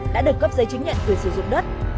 đã được cấp giấy chứng nhận quyền sử dụng đất